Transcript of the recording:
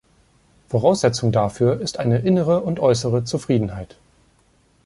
Voraussetzung dafür ist eine innere und äußere Zufriedenheit.